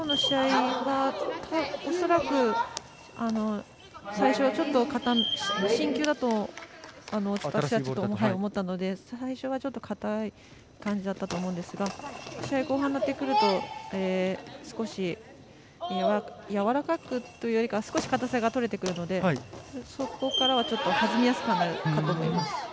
きょうの試合は恐らく、最初、ちょっと新球だと思ったので最初は硬い感じだったんですが試合の後半になってくると少し、やわらかくというよりは少し硬さがとれてくるのでそこからは、ちょっと弾みやすくなったと思います。